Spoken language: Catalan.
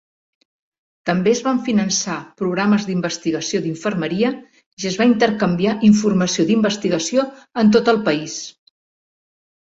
També es van finançar programes d'investigació d'infermeria i es va intercanviar informació d'investigació en tot el país.